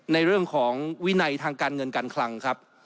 ในเรื่องของวินัยทางการเงินการคลังครับ